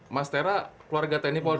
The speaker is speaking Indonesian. mas tera keluarga tni polri